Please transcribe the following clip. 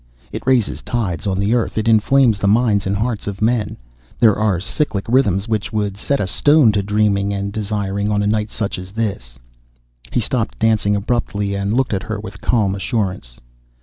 "It raises tides on the Earth, it inflames the minds and hearts of men. There are cyclic rhythms which would set a stone to dreaming and desiring on such a night as this." He stopped dancing abruptly and looked at her with calm assurance.